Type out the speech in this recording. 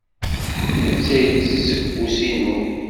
Netta ittett seg ufus-inu.